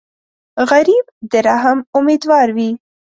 غریب د رحم امیدوار وي